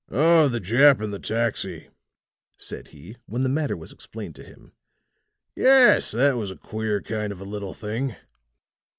"Oh, the Jap and the taxi," said he, when the matter was explained to him. "Yes, that was a queer kind of a little thing."